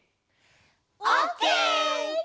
オッケー！